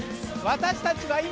私たちは今。